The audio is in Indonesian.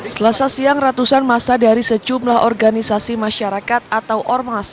selasa siang ratusan masa dari sejumlah organisasi masyarakat atau ormas